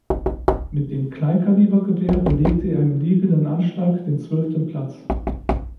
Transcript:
Mit dem Kleinkalibergewehr belegte er im liegenden Anschlag den zwölften Platz.